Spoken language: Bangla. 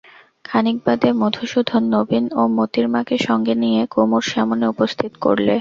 খানিক বাদে মধুসূদন নবীন ও মোতির মাকে সঙ্গে নিয়ে কুমুর সামনে উপস্থিত করলে।